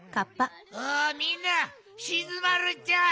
みんなしずまるっちゃ！